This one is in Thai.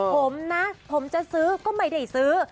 ผมนะผมจะซื้อก็ไม่ได้ซื้อ